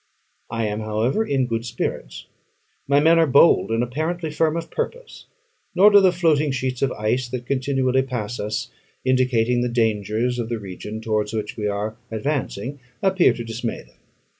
I am, however, in good spirits: my men are bold, and apparently firm of purpose; nor do the floating sheets of ice that continually pass us, indicating the dangers of the region towards which we are advancing, appear to dismay them.